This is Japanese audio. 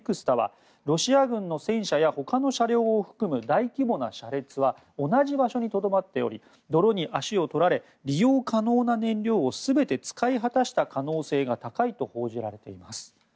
ＮＥＸＴＡはロシア軍の戦車やほかの車両を含む大規模な車列は同じ場所にとどまっており泥に足を取られ利用可能な燃料を全て使い果たした可能性が高いと報じられています。